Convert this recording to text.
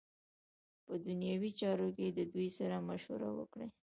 په دنیوی چارو کی ددوی سره مشوره وکړی .